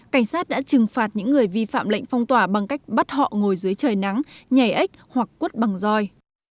cảnh sát đã trừng phạt những người vi phạm lệnh phong tỏa bằng cách bắt họ ngồi dưới trời nắng nhảy ếch hoặc quất bằng roi